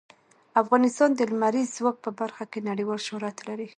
افغانستان د لمریز ځواک په برخه کې نړیوال شهرت لري.